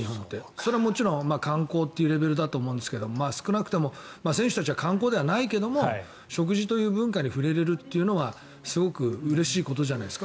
それはもちろん観光というレベルだと思うんですけど少なくとも選手たちは観光ではないけども食事という文化に触れられるというのはすごくうれしいことじゃないですか。